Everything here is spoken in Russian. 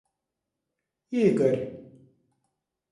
Игорь